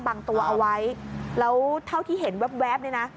ตัวเอาไว้แล้วเท่าที่เห็นแว๊บเนี่ยนะ